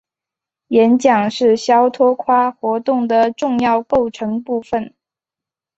演讲是肖托夸活动的重要构成部分。